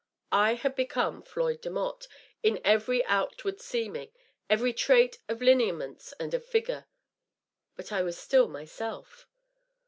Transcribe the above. I had become Floyd Demotte in every outward seeming, every trait of lineaments and of figure. But I wds still mysdf.